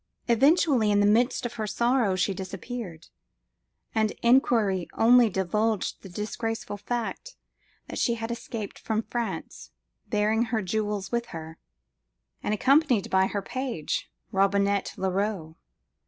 Suddenly, in the midst of her sorrow, she disappeared; and inquiry only divulged the disgraceful fact, that she had escaped from France, bearing her jewels with her, and accompanied by her page, Robinet Leroux.